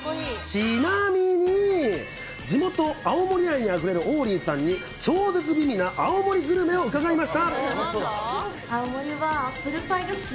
ちなみに、地元、青森愛にあふれる王林さんに、超絶美味な青森グルメを伺いまし